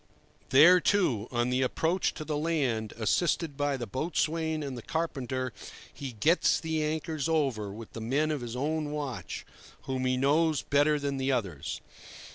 There, too, on the approach to the land, assisted by the boatswain and the carpenter, he "gets the anchors over" with the men of his own watch, whom he knows better than the others.